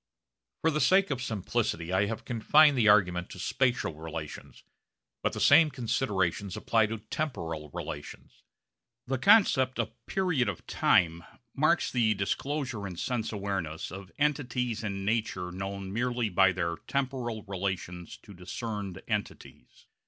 For the sake of simplicity I have confined the argument to spatial relations; but the same considerations apply to temporal relations. The concept of 'period of time' marks the disclosure in sense awareness of entities in nature known merely by their temporal relations to discerned entities.